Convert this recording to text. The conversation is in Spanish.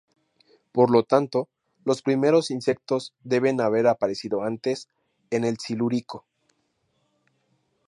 Por lo tanto, los primeros insectos deben haber aparecido antes, en el Silúrico.